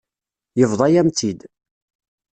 Yebḍa-yam-tt-id.